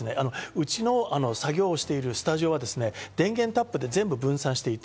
うちの作業しているスタジオは電源タップで全部分散していて、